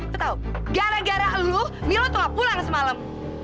lo tau gara gara lo milo tuh gak pulang semalam